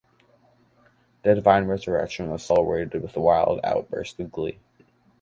The divine resurrection was celebrated with a wild outburst of glee.